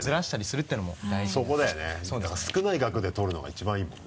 だから少ない額で取るのが一番いいもんね。